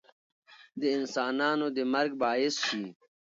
د انسانانو د مرګ باعث شي